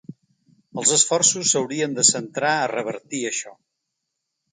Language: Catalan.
Els esforços s’haurien de centrar a revertir això.